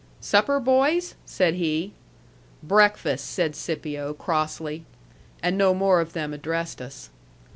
"Supper, boys?" said he. "Breakfast," said Scipio, crossly. And no more of them addressed us.